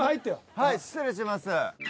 はい失礼します。